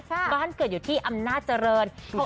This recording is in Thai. เขาก็เกิดอยู่ที่อำนาจเป็นเกิดอำนาจเจริญ